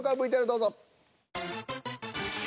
ＶＴＲどうぞ。